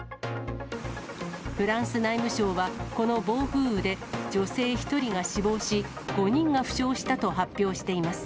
フランス内務省はこの暴風雨で女性１人が死亡し、５人が負傷したと発表しています。